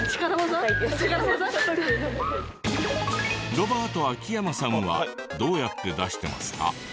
ロバート秋山さんはどうやって出してますか？